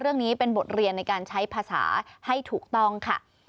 เรื่องนี้เป็นบทเรียนในการใช้ภาษาให้ถูกต้องค่ะ